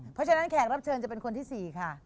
เพราะฉะนั้นแขกรับเชิญจะเป็นคนที่๔ค่ะ